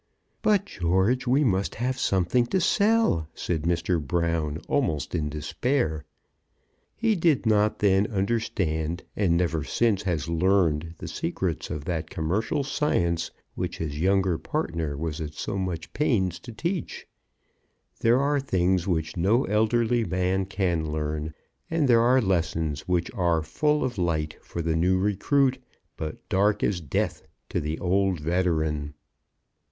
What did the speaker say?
"But, George, we must have something to sell," said Mr. Brown, almost in despair. He did not then understand, and never since has learned the secrets of that commercial science which his younger partner was at so much pains to teach. There are things which no elderly man can learn; and there are lessons which are full of light for the new recruit, but dark as death to the old veteran.